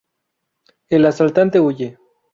El asaltante huye.